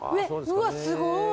うわすごい。